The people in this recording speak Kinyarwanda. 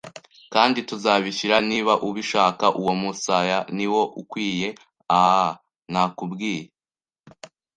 kandi tuzabishyira, niba ubishaka, uwo musaya niwo ukwiye. Ah! Nakubwiye.